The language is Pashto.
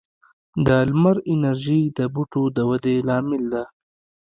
د لمر انرژي د بوټو د ودې لامل ده.